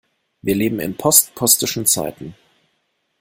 Wir leben in postpostischen Zeiten.